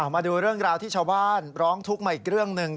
มาดูเรื่องราวที่ชาวบ้านร้องทุกข์มาอีกเรื่องหนึ่ง